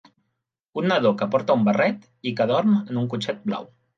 Un nadó que porta un barret i que dorm en un cotxet blau.